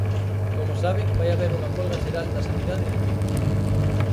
Como sabe, vai haber unha folga xeral da sanidade en Vigo.